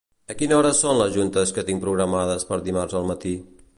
A quina hora són les juntes que tinc programades per dimarts al matí?